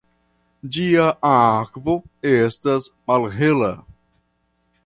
Ĝia akvo estas malhela.